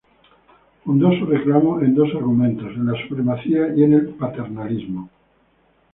Fundó su reclamo en dos argumentos: en la supremacía y en el paternalismo.